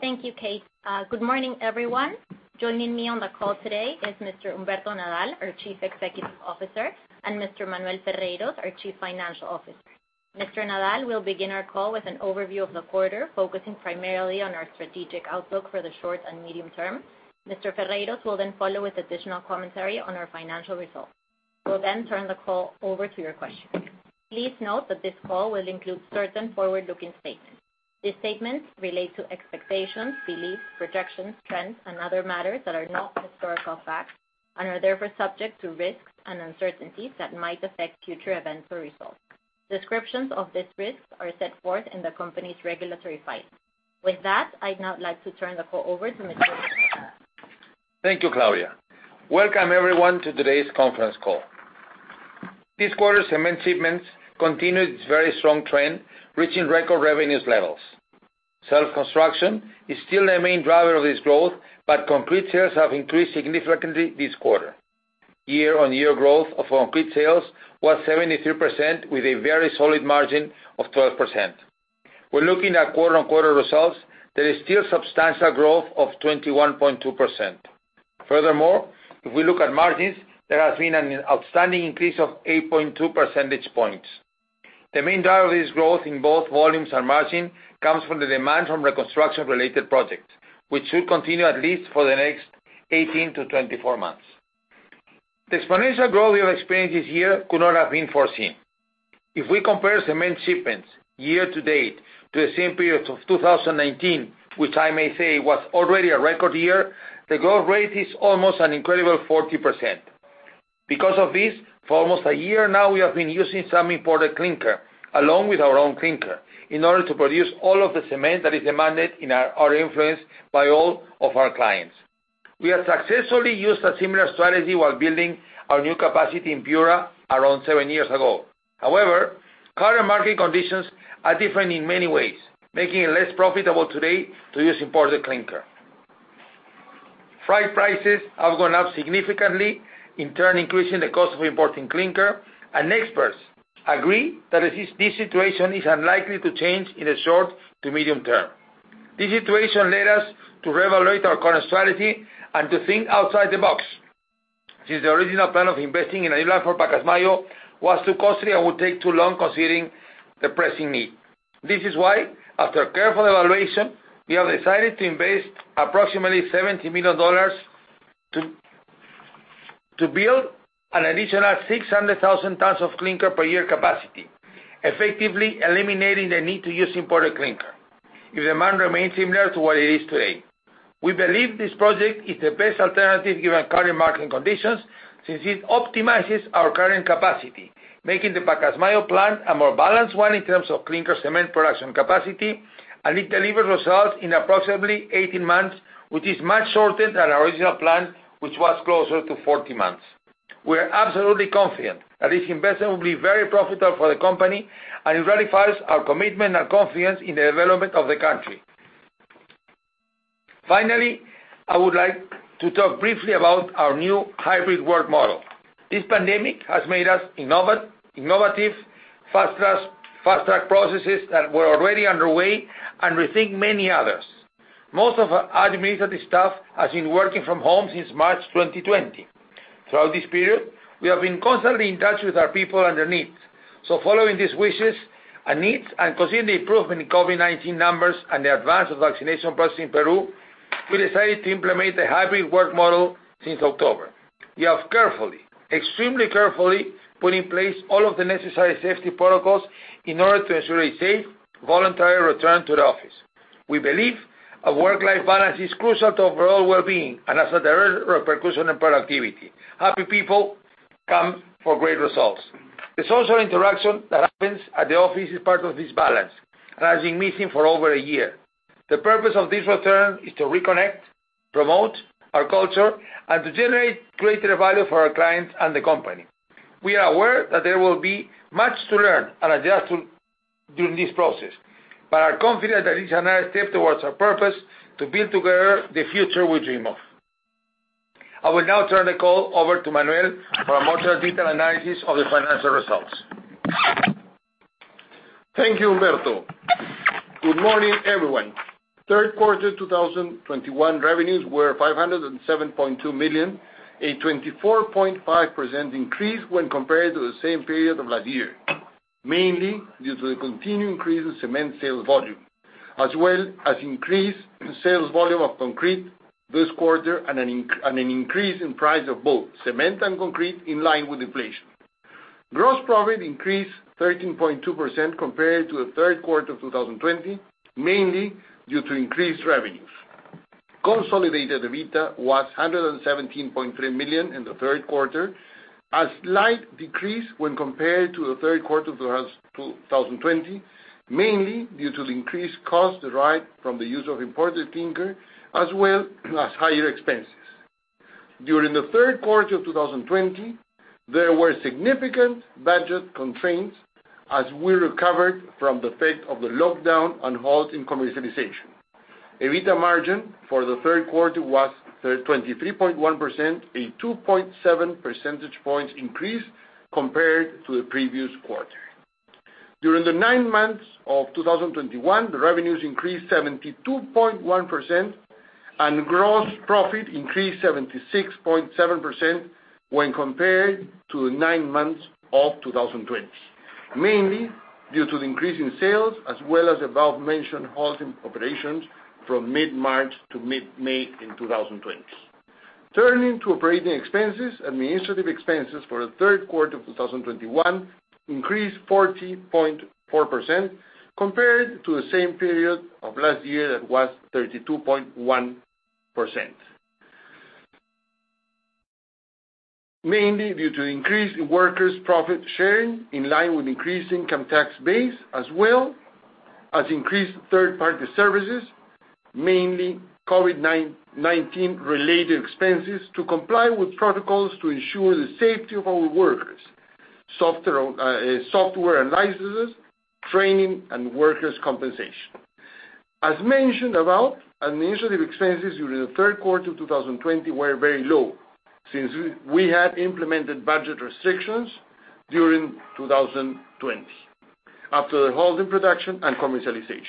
Thank you, Kate. Good morning, everyone. Joining me on the call today is Mr. Humberto Nadal, our Chief Executive Officer, and Mr. Manuel Ferreyros, our Chief Financial Officer. Mr. Nadal will begin our call with an overview of the quarter, focusing primarily on our strategic outlook for the short and medium term. Mr. Ferreyros will then follow with additional commentary on our financial results. We'll then turn the call over to your questions. Please note that this call will include certain forward-looking statements. These statements relate to expectations, beliefs, projections, trends, and other matters that are not historical facts and are therefore subject to risks and uncertainties that might affect future events or results. Descriptions of these risks are set forth in the company's regulatory filings. With that, I'd now like to turn the call over to Mr. Humberto Nadal. Thank you, Claudia. Welcome everyone to today's conference call. This quarter, cement shipments continued its very strong trend, reaching record revenues levels. Self-construction is still a main driver of this growth, but concrete sales have increased significantly this quarter. Year-on-year growth of concrete sales was 73% with a very solid margin of 12%. We're looking at quarter-on-quarter results, there is still substantial growth of 21.2%. Furthermore, if we look at margins, there has been an outstanding increase of 8.2 percentage points. The main driver of this growth in both volumes and margin comes from the demand from reconstruction-related projects, which should continue at least for the next 18-24 months. The exponential growth we have experienced this year could not have been foreseen. If we compare cement shipments year to date to the same period of 2019, which I may say was already a record year, the growth rate is almost an incredible 40%. Because of this, for almost a year now, we have been using some imported clinker, along with our own clinker, in order to produce all of the cement that is demanded in our area of influence by all of our clients. We have successfully used a similar strategy while building our new capacity in Piura around seven years ago. However, current market conditions are different in many ways, making it less profitable today to use imported clinker. Freight prices have gone up significantly, in turn increasing the cost of importing clinker, and experts agree that this situation is unlikely to change in the short to medium term. This situation led us to reevaluate our current strategy and to think outside the box. Since the original plan of investing in a kiln for Pacasmayo was too costly and would take too long considering the pressing need. This is why, after careful evaluation, we have decided to invest approximately $70 million to build an additional 600,000 tons of clinker per year capacity, effectively eliminating the need to use imported clinker, if demand remains similar to what it is today. We believe this project is the best alternative given current market conditions, since it optimizes our current capacity, making the Pacasmayo plant a more balanced one in terms of clinker-cement production capacity, and it delivers results in approximately 18 months, which is much shorter than our original plan, which was closer to 40 months. We are absolutely confident that this investment will be very profitable for the company, and it ratifies our commitment and confidence in the development of the country. Finally, I would like to talk briefly about our new hybrid work model. This pandemic has made us innovative, fast-track processes that were already underway and rethink many others. Most of our administrative staff has been working from home since March 2020. Throughout this period, we have been constantly in touch with our people and their needs. Following these wishes and needs, and considering the improvement in COVID-19 numbers and the advance of vaccination process in Peru, we decided to implement the hybrid work model since October. We have carefully, extremely carefully, put in place all of the necessary safety protocols in order to ensure a safe, voluntary return to the office. We believe a work-life balance is crucial to overall well-being and has a direct repercussion on productivity. Happy people come for great results. The social interaction that happens at the office is part of this balance that has been missing for over a year. The purpose of this return is to reconnect, promote our culture, and to generate greater value for our clients and the company. We are aware that there will be much to learn and adjust to during this process, but are confident that it's another step towards our purpose to build together the future we dream of. I will now turn the call over to Manuel for a more detailed analysis of the financial results. Thank you, Humberto. Good morning, everyone. Third quarter 2021 revenues were PEN 507.2 million, a 24.5% increase when compared to the same period of last year, mainly due to the continued increase in cement sales volume, as well as increased sales volume of concrete this quarter and an increase in price of both cement and concrete in line with inflation. Gross profit increased 13.2% compared to the third quarter of 2020, mainly due to increased revenues. Consolidated EBITDA was PEN 117.3 million in the third quarter, a slight decrease when compared to the third quarter of 2020, mainly due to the increased cost derived from the use of imported clinker, as well as higher expenses. During the third quarter of 2020, there were significant budget constraints as we recovered from the effect of the lockdown and halt in commercialization. EBITDA margin for the third quarter was twenty-three point one percent, a two point seven percentage points increase compared to the previous quarter. During the nine months of 2021, the revenues increased 72.1%, and gross profit increased 76.7% when compared to the nine months of 2020, mainly due to the increase in sales as well as above-mentioned halting operations from mid-March to mid-May in 2020. Turning to operating expenses, administrative expenses for the third quarter of 2021 increased 40.4% compared to the same period of last year that was 32.1%. Mainly due to increase in workers' profit sharing in line with increased income tax base, as well as increased third-party services, mainly COVID-19-related expenses to comply with protocols to ensure the safety of our workers, software and licenses, training, and workers' compensation. As mentioned above, administrative expenses during the third quarter of 2020 were very low since we had implemented budget restrictions during 2020 after the halt in production and commercialization.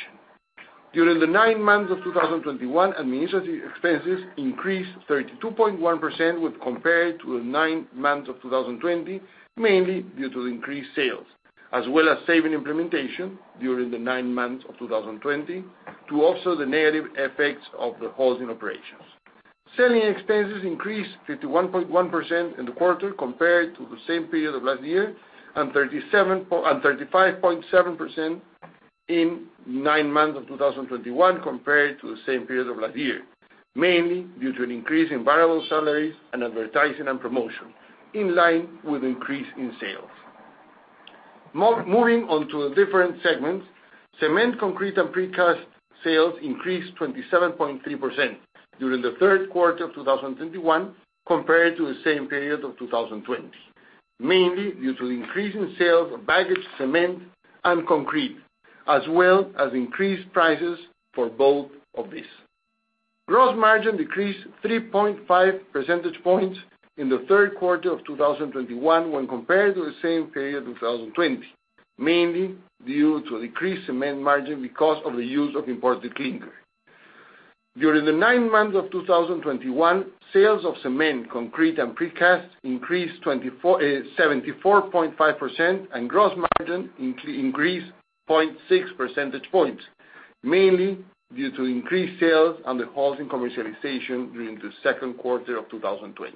During the nine months of 2021, administrative expenses increased 32.1% when compared to the nine months of 2020, mainly due to the increased sales, as well as savings implementation during the nine months of 2020 to offset the negative effects of the halting operations. Selling expenses increased 51.1% in the quarter compared to the same period of last year, and 35.7% in nine months of 2021 compared to the same period of last year, mainly due to an increase in variable salaries and advertising and promotion in line with increase in sales. Moving on to the different segments, cement, concrete, and precast sales increased 27.3% during the third quarter of 2021 compared to the same period of 2020, mainly due to the increase in sales of bagged cement and concrete, as well as increased prices for both of these. Gross margin decreased 3.5 percentage points in the third quarter of 2021 when compared to the same period in 2020, mainly due to a decreased cement margin because of the use of imported clinker. During the nine months of 2021, sales of cement, concrete, and precast increased 74.5%, and gross margin increased 0.6 percentage points, mainly due to increased sales and the halt in commercialization during the second quarter of 2020.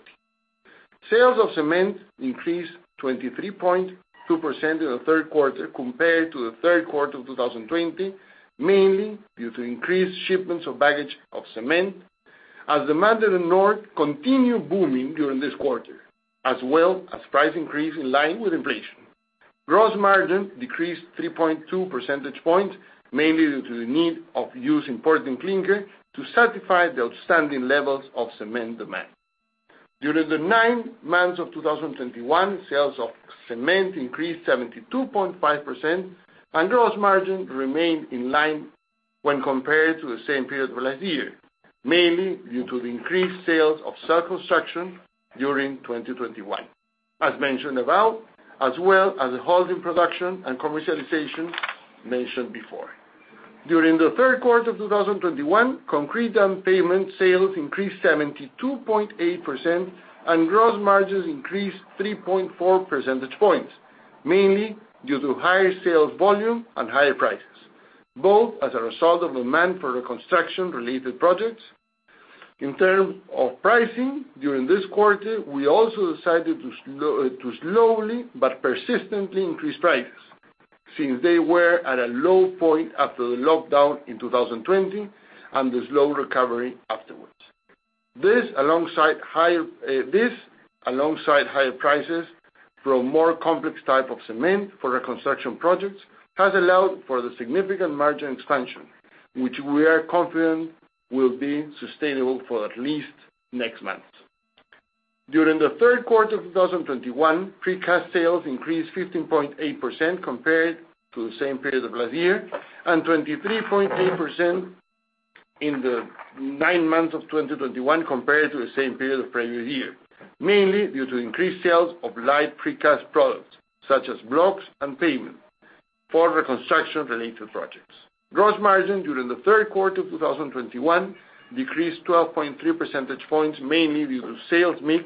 Sales of cement increased 23.2% in the third quarter compared to the third quarter of 2020, mainly due to increased shipments of bagged cement as demand in the North continued booming during this quarter, as well as price increase in line with inflation. Gross margin decreased 3.2 percentage points, mainly due to the need of using imported clinker to satisfy the outstanding levels of cement demand. During the nine months of 2021, sales of cement increased 72.5%, and gross margin remained in line when compared to the same period of last year, mainly due to the increased sales of construction during 2021, as mentioned above, as well as the halt in production and commercialization mentioned before. During the third quarter of 2021, concrete and pavement sales increased 72.8%, and gross margins increased 3.4 percentage points, mainly due to higher sales volume and higher prices, both as a result of demand for construction-related projects. In terms of pricing, during this quarter, we also decided to slowly but persistently increase prices since they were at a low point after the lockdown in 2020 and the slow recovery afterwards. This alongside higher prices for a more complex type of cement for construction projects has allowed for the significant margin expansion, which we are confident will be sustainable for at least next month. During the third quarter of 2021, precast sales increased 15.8% compared to the same period of last year, and 23.8% in the nine months of 2021 compared to the same period of previous year, mainly due to increased sales of light precast products such as blocks and pavement for construction-related projects. Gross margin during the third quarter of 2021 decreased 12.3 percentage points, mainly due to sales mix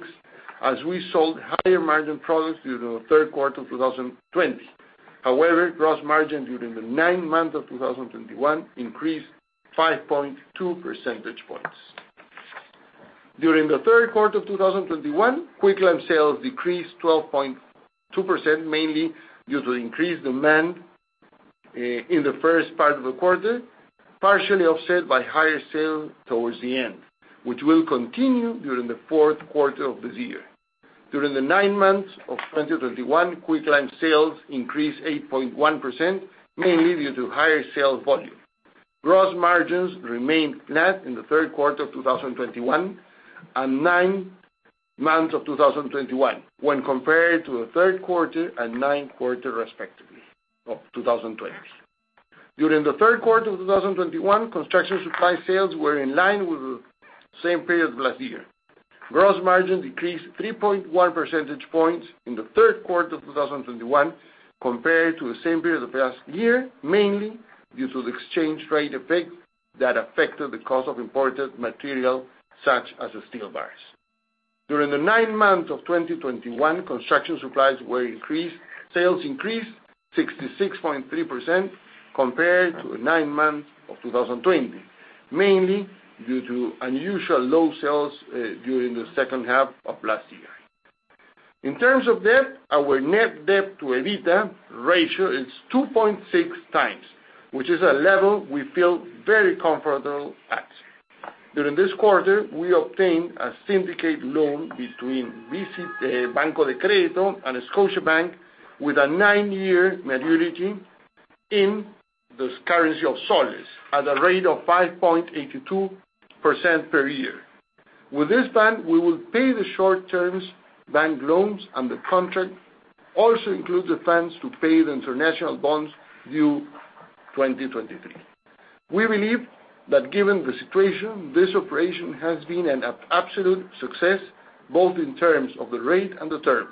as we sold higher margin products during the third quarter of 2020. However, gross margin during the nine months of 2021 increased 5.2 percentage points. During the third quarter of 2021, Quicklime sales decreased 12.2%, mainly due to increased demand in the first part of the quarter, partially offset by higher sales towards the end, which will continue during the fourth quarter of this year. During the nine months of 2021, Quicklime sales increased 8.1%, mainly due to higher sales volume. Gross margins remained flat in the third quarter of 2021 and nine months of 2021 when compared to the third quarter and nine months, respectively, of 2020. During the third quarter of 2021, construction supply sales were in line with the same period of last year. Gross margin decreased 3.1 percentage points in the third quarter of 2021 compared to the same period of the past year, mainly due to the exchange rate effect that affected the cost of imported material such as the steel bars. During the nine months of 2021, construction supplies sales increased 66.3% compared to nine months of 2020, mainly due to unusually low sales during the second half of last year. In terms of debt, our net debt to EBITDA ratio is 2.6x, which is a level we feel very comfortable at. During this quarter, we obtained a syndicated loan between Banco de Crédito and Scotiabank with a nine-year maturity in this currency of soles at a rate of 5.82% per year. With this bank, we will pay the short-term bank loans, and the contract also includes the funds to pay the international bonds due 2023. We believe that given the situation, this operation has been an absolute success, both in terms of the rate and the term.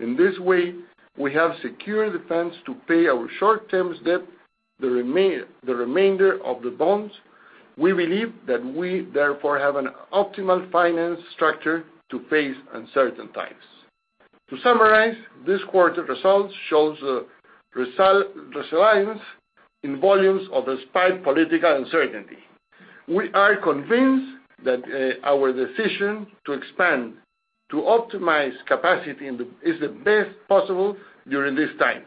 In this way, we have secured the funds to pay our short-term debt, the remainder of the bonds. We believe that we therefore have an optimal financial structure to face uncertain times. To summarize, this quarter results shows resilience in volumes despite political uncertainty. We are convinced that our decision to expand, to optimize capacity is the best possible during these times,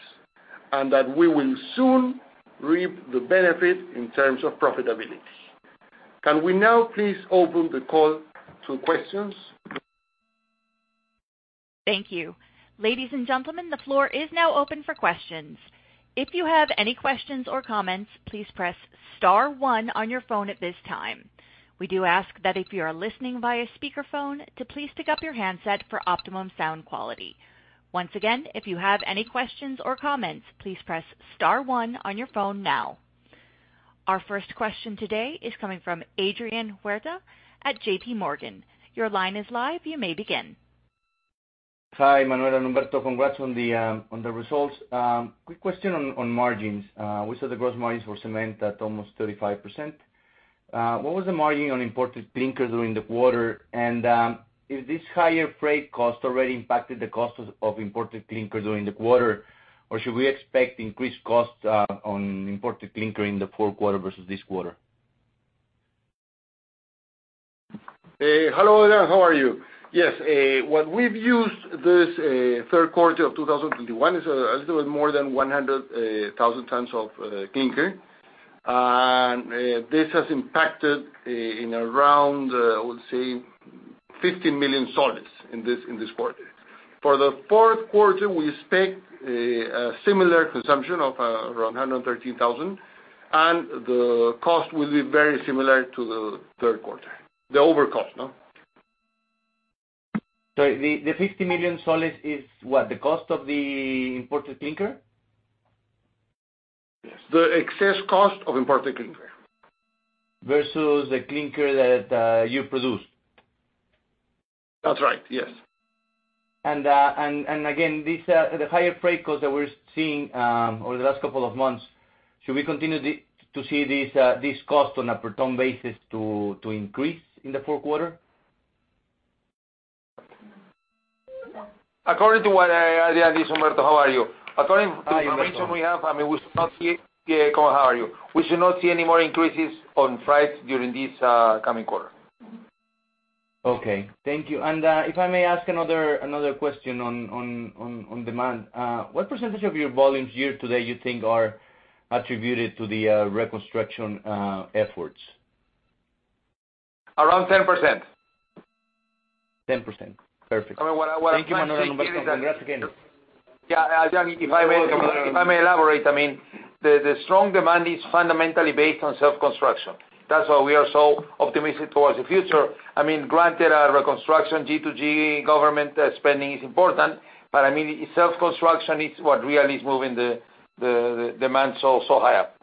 and that we will soon reap the benefit in terms of profitability. Can we now please open the call to questions? Thank you. Ladies and gentlemen, the floor is now open for questions. If you have any questions or comments, please press star one on your phone at this time. We do ask that if you are listening via speaker phone, to please pick up your handset for optimum sound quality. Once again, if you have any questions or comments, please press star one on your phone now. Our first question today is coming from Adrian Huerta at JPMorgan. Your line is live, you may begin. Hi, Manuel and Humberto, congrats on the results. Quick question on margins. We saw the gross margins for cement at almost 35%. What was the margin on imported clinker during the quarter? If this higher freight cost already impacted the cost of imported clinker during the quarter, or should we expect increased costs on imported clinker in the fourth quarter versus this quarter? Hello there. How are you? Yes. What we've used this third quarter of 2021 is a little bit more than 100,000 tons of clinker. This has impacted in around, I would say, PEN 50 million in this quarter. For the fourth quarter, we expect a similar consumption of around 113,000, and the cost will be very similar to the third quarter. The over cost, no? The PEN 50 million is what? The cost of the imported clinker? Yes. The excess cost of imported clinker. Versus the clinker that you produced? That's right, yes. The higher freight cost that we're seeing over the last couple of months, should we continue to see this cost on a per ton basis to increase in the fourth quarter? This is Humberto. How are you? Hi, Humberto. According to the information we have, I mean, we should not see any more increases in price during this coming quarter. Okay. Thank you. If I may ask another question on demand, what percentage of your volumes year to date you think are attributed to the reconstruction efforts? Around 10%. 10%. Perfect. I mean, what I'm trying to say is that. Thank you, Manuel and Humberto. We ask again. Yeah. If I may elaborate, I mean, the strong demand is fundamentally based on self-construction. That's why we are so optimistic towards the future. I mean, granted, our reconstruction G2G government spending is important, but I mean, self-construction is what really is moving the demand so high up.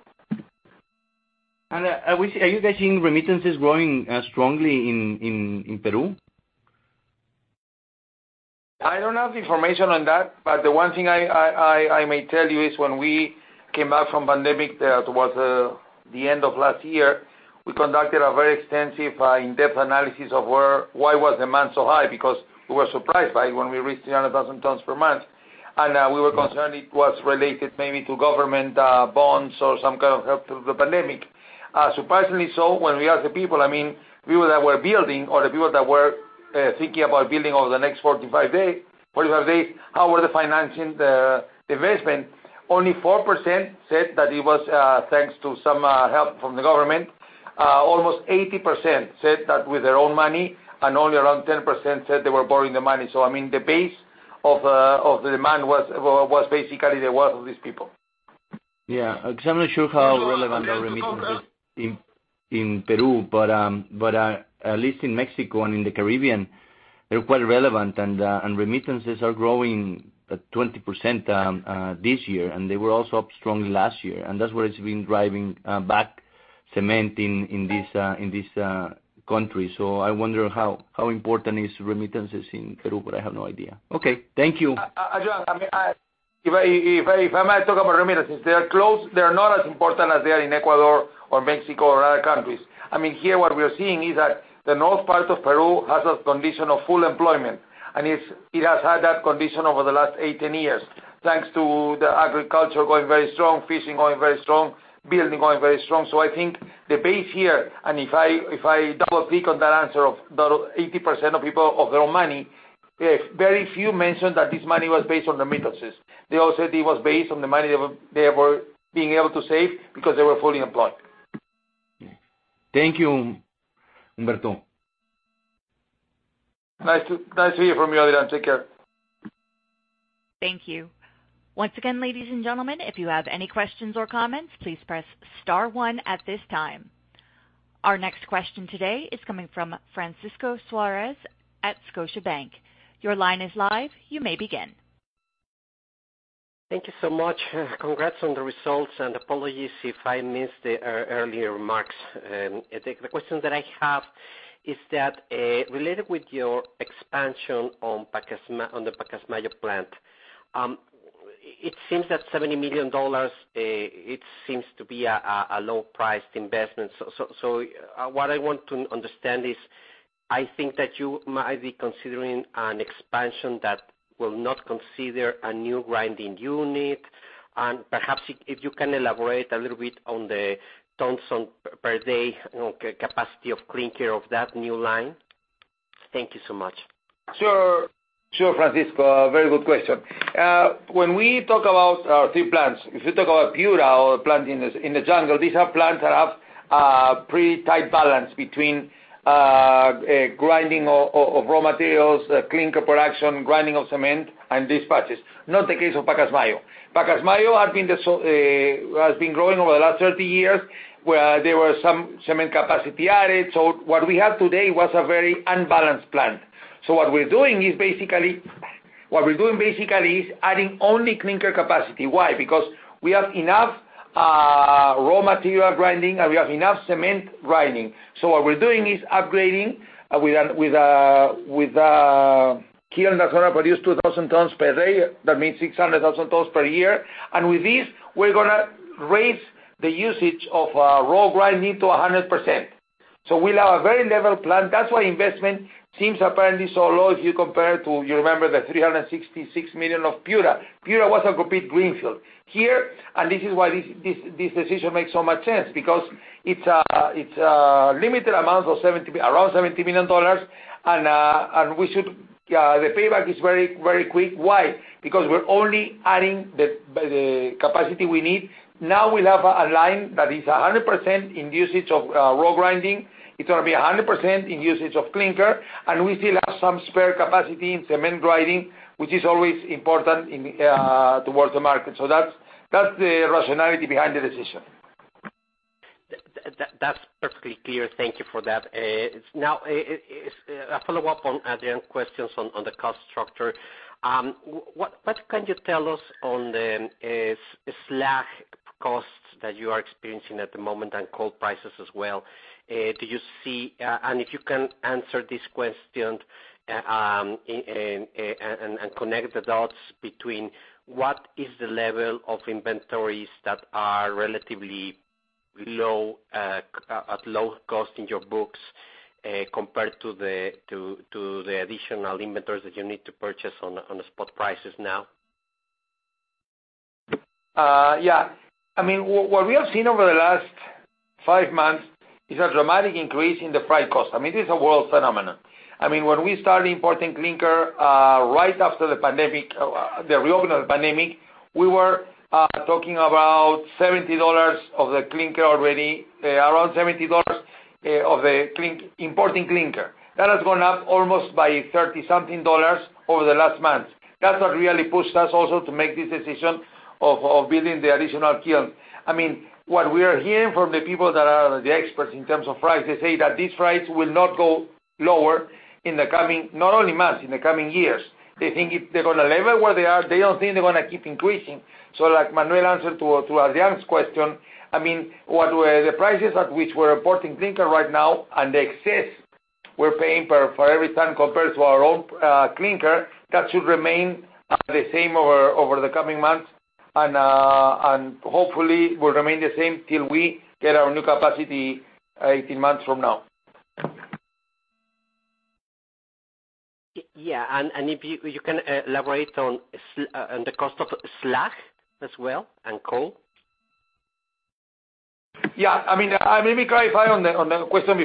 Are you guys seeing remittances growing strongly in Peru? I don't have the information on that, but the one thing I may tell you is when we came back from pandemic toward the end of last year, we conducted a very extensive in-depth analysis of why was demand so high, because we were surprised by it when we reached 300,000 tons per month. We were concerned it was related maybe to government bonds or some kind of help due to the pandemic. Surprisingly, when we asked the people, I mean, people that were building or the people that were thinking about building over the next 45 days, how were they financing the investment, only 4% said that it was thanks to some help from the government. Almost 80% said that with their own money, and only around 10% said they were borrowing the money. I mean, the base of the demand was basically the wealth of these people. Yeah, because I'm not sure how relevant the remittances is in Peru, but at least in Mexico and in the Caribbean, they're quite relevant, and remittances are growing at 20% this year, and they were also up strongly last year. That's what has been driving bagged cement in this country. I wonder how important remittances is in Peru, but I have no idea. Okay. Thank you. Adrian, I mean, if I might talk about remittances, they are not as important as they are in Ecuador or Mexico or other countries. I mean, here what we are seeing is that the north part of Peru has a condition of full employment, and it has had that condition over the last 18 years, thanks to the agriculture going very strong, fishing going very strong, building going very strong. I think the base here, and if I double-click on that answer of the 80% of people of their own money, very few mentioned that this money was based on remittances. They all said it was based on the money they were being able to save because they were fully employed. Thank you, Humberto. Nice to hear from you, Adrian. Take care. Thank you. Once again, ladies and gentlemen, if you have any questions or comments, please press star one at this time. Our next question today is coming from Francisco Suarez at Scotiabank. Your line is live. You may begin. Thank you so much. Congrats on the results, and apologies if I missed the earlier remarks. The question that I have is that related with your expansion on Pacasmayo, on the Pacasmayo plant. It seems that $70 million it seems to be a low-priced investment. What I want to understand is I think that you might be considering an expansion that will not consider a new grinding unit. Perhaps if you can elaborate a little bit on the tons per day capacity of clinker of that new line. Thank you so much. Sure. Sure, Francisco. Very good question. When we talk about our three plants, if we talk about Piura or plant in the jungle, these are plants that have pretty tight balance between grinding of raw materials, clinker production, grinding of cement, and dispatches. Not the case of Pacasmayo. Pacasmayo has been growing over the last 30 years, where there were some cement capacity added. What we have today was a very unbalanced plant. What we're doing basically is adding only clinker capacity. Why? Because we have enough raw material grinding, and we have enough cement grinding. What we're doing is upgrading with a kiln that's gonna produce 2,000 tons per day. That means 600,000 tons per year. With this, we're gonna raise the usage of raw grinding to 100%. We'll have a very level plant. That's why investment seems apparently so low if you compare to, you remember, the $366 million of Piura. Piura was a complete greenfield. Here, this is why this decision makes so much sense because it's a limited amount of around $70 million, and the payback is very, very quick. Why? Because we're only adding the capacity we need. Now we'll have a line that is 100% in usage of raw grinding. It's gonna be 100% in usage of clinker, and we still have some spare capacity in cement grinding, which is always important in towards the market. That's the rationality behind the decision. That's perfectly clear. Thank you for that. Now, a follow-up on Adrian's questions on the cost structure. What can you tell us on the slag costs that you are experiencing at the moment and coal prices as well? If you can answer this question, and connect the dots between what is the level of inventories that are relatively low, at low cost in your books, compared to the additional inventories that you need to purchase on the spot prices now? Yeah. I mean, what we have seen over the last five months is a dramatic increase in the freight cost. I mean, this is a world phenomenon. I mean, when we started importing clinker right after the pandemic, we were talking about $70 for the clinker already, around $70 for importing clinker. That has gone up almost by $30-something over the last months. That's what really pushed us also to make this decision of building the additional kiln. I mean, what we are hearing from the people that are the experts in terms of price, they say that these prices will not go lower in the coming not only months, but in the coming years. They think it'll level where they are, they don't think they're gonna keep increasing. Like Manuel answered to Adrian's question, I mean, what were the prices at which we're importing clinker right now and the excess we're paying for every ton compared to our own clinker, that should remain the same over the coming months. And hopefully, will remain the same till we get our new capacity 18 months from now. Yeah, if you can elaborate on the cost of slag as well and coal? I mean, let me clarify on the question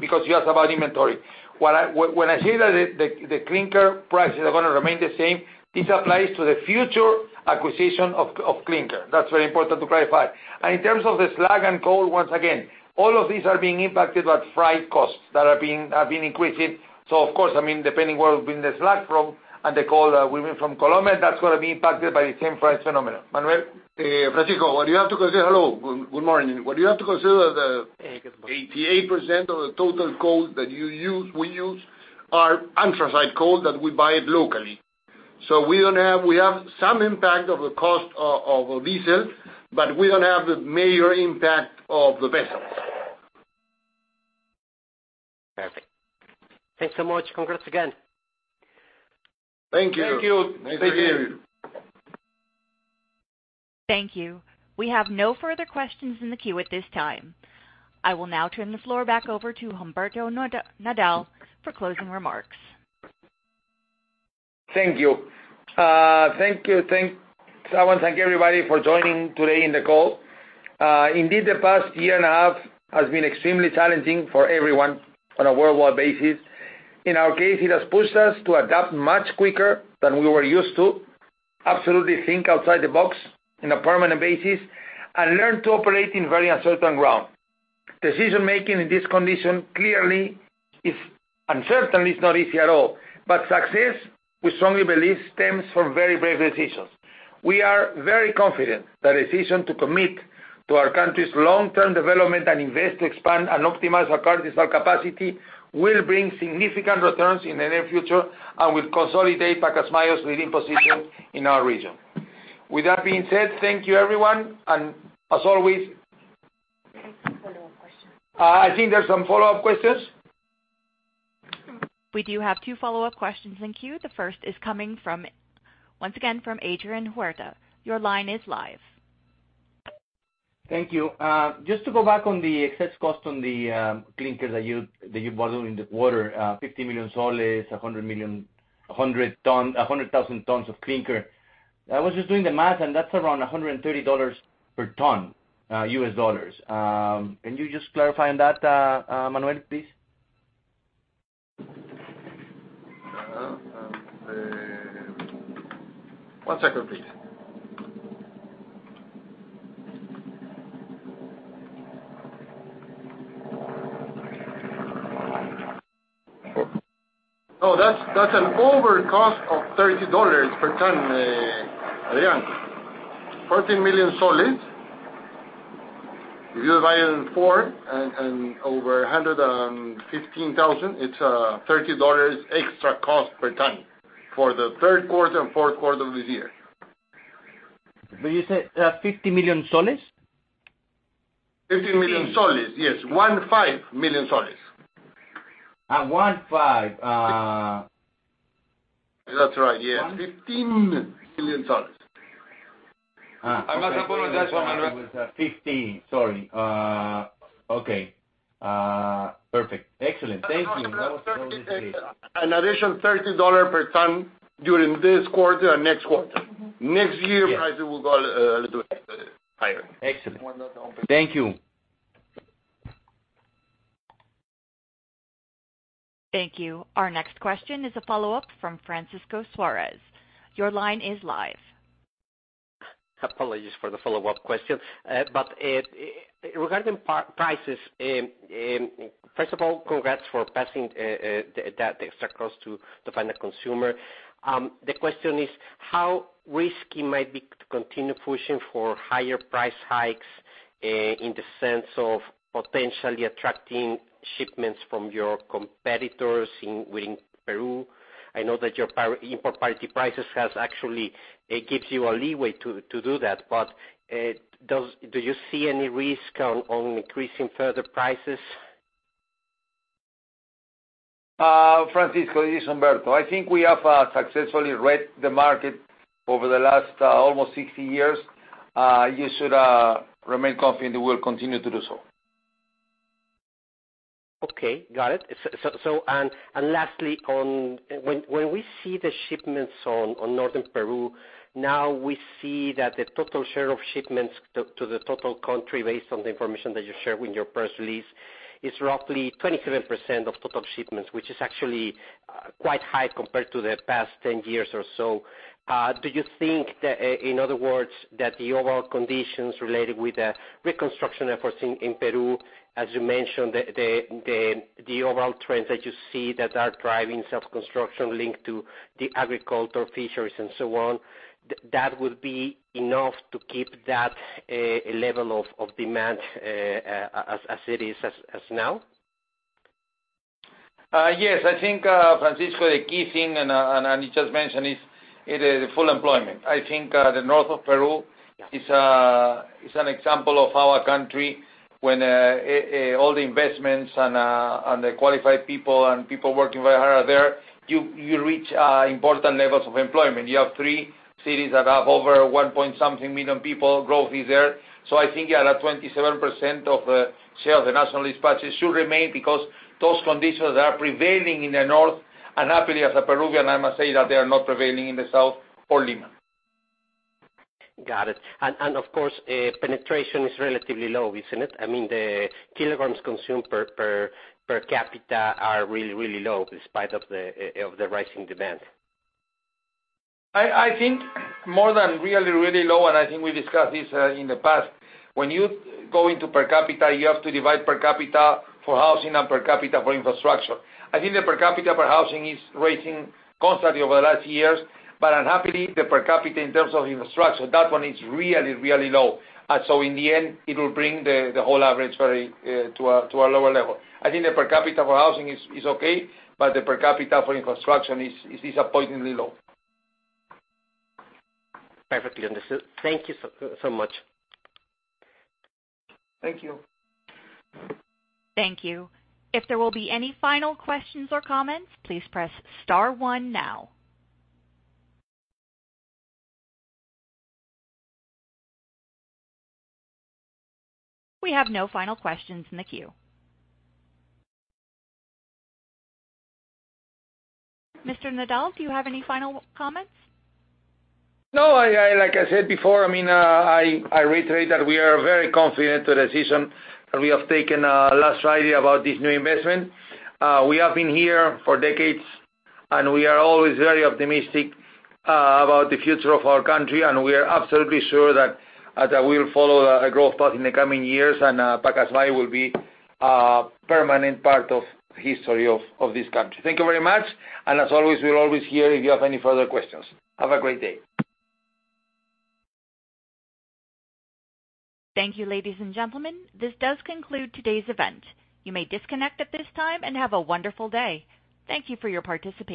because you asked about inventory. When I say that the clinker prices are gonna remain the same, this applies to the future acquisition of clinker. That's very important to clarify. In terms of the slag and coal, once again, all of these are being impacted by freight costs that are being increased. Of course, I mean, depending where we bring the slag from and the coal will be from Colombia, that's gonna be impacted by the same freight phenomenon. Manuel? Francisco. Hello, good morning. What you have to consider the Good morning. 88% of the total coal that we use our anthracite coal that we buy locally. We have some impact of the cost of diesel, but we don't have the major impact of the vessels. Perfect. Thanks so much. Congrats again. Thank you. Thank you. Thank you. Thank you. We have no further questions in the queue at this time. I will now turn the floor back over to Humberto Nadal for closing remarks. Thank you. Thank you. So I wanna thank everybody for joining today in the call. Indeed, the past year and a half has been extremely challenging for everyone on a worldwide basis. In our case, it has pushed us to adapt much quicker than we were used to, absolutely think outside the box on a permanent basis and learn to operate in very uncertain ground. Decision-making in this condition clearly is uncertain. It's not easy at all. Success, we strongly believe, stems from very brave decisions. We are very confident the decision to commit to our country's long-term development and invest to expand and optimize our current reserve capacity will bring significant returns in the near future and will consolidate Pacasmayo's leading position in our region. With that being said, thank you everyone. As always. We have some follow-up questions. I think there's some follow-up questions. We do have two follow-up questions in queue. The first is coming from, once again, from Adrian Huerta. Your line is live. Thank you. Just to go back on the excess cost on the clinker that you bought in the quarter, PEN 50 million, 100,000 tons of clinker. I was just doing the math, and that's around $130 per ton US dollars. Can you just clarify on that, Manuel, please? One second, please. No, that's an over cost of $30 per ton, Adrian. PEN 15 million. If you divide it in four and over 115,000, it's $30 extra cost per ton for the third quarter and fourth quarter of this year. Did you say, PEN 50 million? PEN 15 million, yes. PEN 15 million. Ah, one, five. Uh- That's right, yeah. One- PEN 15 million. Ah. I must apologize for my- It was 15. Sorry. Okay. Perfect. Excellent. Thank you. That was clear. An additional $30 per ton during this quarter and next quarter. Next year Yeah. Prices will go a little higher. Excellent. Thank you. Thank you. Our next question is a follow-up from Francisco Suarez. Your line is live. Apologies for the follow-up question. Regarding prices. First of all, congrats for passing that extra cost to the final consumer. The question is how risky it might be to continue pushing for higher price hikes, in the sense of potentially attracting shipments from your competitors within Peru? I know that your import parity prices has actually, it gives you a leeway to do that. Do you see any risk on increasing further prices? Francisco, this is Humberto. I think we have successfully read the market over the last almost 60 years. You should remain confident we will continue to do so. Okay, got it. Lastly, on when we see the shipments on northern Peru, now we see that the total share of shipments to the total country, based on the information that you share with your press release, is roughly 27% of total shipments, which is actually quite high compared to the past 10 years or so. Do you think that, in other words, that the overall conditions related with the reconstruction efforts in Peru, as you mentioned, the overall trends that you see that are driving such construction linked to the agriculture, fisheries and so on, that will be enough to keep that level of demand as it is now? Yes. I think, Francisco, the key thing, and you just mentioned, is full employment. I think, the north of Peru is an example of how a country when all the investments and the qualified people and people working very hard are there, you reach important levels of employment. You have three cities that have over 1.something million people. Growth is there. I think you are at 27% of sales. The national dispatches should remain because those conditions are prevailing in the north. Happily, as a Peruvian, I must say that they are not prevailing in the south or Lima. Got it. Of course, penetration is relatively low, isn't it? I mean, the kilograms consumed per capita are really low despite of the rising demand. I think more than really, really low, and I think we discussed this in the past. When you go into per capita, you have to divide per capita for housing and per capita for infrastructure. I think the per capita for housing is rising constantly over the last years, but the per capita in terms of infrastructure, that one is really, really low. In the end, it will bring the whole average very to a lower level. I think the per capita for housing is okay, but the per capita for construction is disappointingly low. Perfectly understood. Thank you so much. Thank you. Thank you. If there will be any final questions or comments, please press star one now. We have no final questions in the queue. Mr. Nadal, do you have any final comments? No. Like I said before, I mean, I reiterate that we are very confident to the decision that we have taken last Friday about this new investment. We have been here for decades, and we are always very optimistic about the future of our country. We are absolutely sure that we will follow a growth path in the coming years. Pacasmayo will be a permanent part of history of this country. Thank you very much. As always, we're always here if you have any further questions. Have a great day. Thank you, ladies and gentlemen, this does conclude today's event. You may disconnect at this time and have a wonderful day. Thank you for your participation.